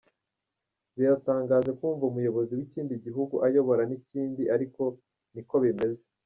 Biratangaje kumva umuyobozi w’ikindi gihugu ayobora n’ikindi ariko ni ko bimeze.